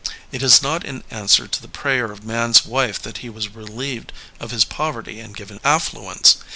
It is not in answer to the prayer of Man's wife that he was relieved of his poverty and given affluence.